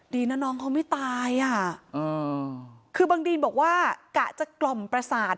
ดีนะน้องเขาไม่ตายอ่ะคือบางดีนบอกว่ากะจะกล่อมประสาท